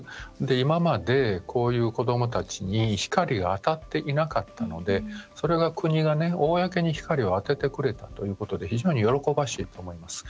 今までこういう子どもたちに光が当たっていなかったのでそれが国が公に光を当ててくれたということで非常に喜ばしいと思います。